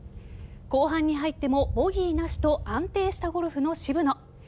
後半に入ってもボギーなしと安定したゴルフの渋野。